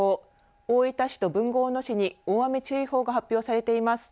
大分市と豊後大野市に大雨注意報が発表されています。